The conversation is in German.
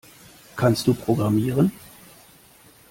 Kannst du programmieren?